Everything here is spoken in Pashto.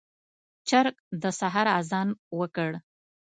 چرګ د سحر اذان وکړ.